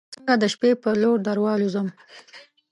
څنګه د شپې پر لور دروالوزم